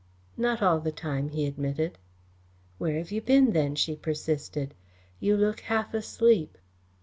"Not all the time," he admitted. "Where have you been then?" she persisted. "You look half asleep."